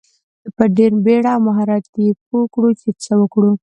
په ډیره بیړه او مهارت یې پوه کړو چې څه وکړو.